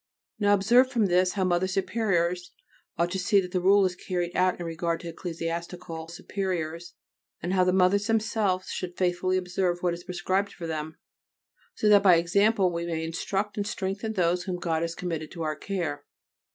Now observe from this how Mother Superiors should see that the Rule is carried out in regard to Ecclesiastical Superiors, and how the Mothers themselves should faithfully observe what is prescribed for them, so that by example we may instruct and strengthen those whom God has committed to our care.